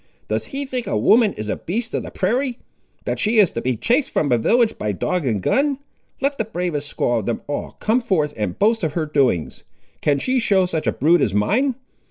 Does he think a woman is a beast of the prairie, that she is to be chased from a village, by dog and gun. Let the bravest squaw of them all come forth and boast of her doings; can she show such a brood as mine?